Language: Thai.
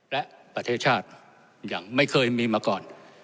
และประเทศชาติอย่างไม่เคยมีมาก่อน